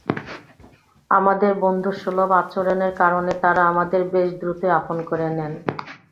আমাদের বন্ধুসুলভ আচরণের কারণে তাঁরা আমাদের বেশ দ্রুতই আপন করে নেন।